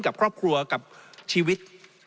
กับครอบครัวกับชีวิต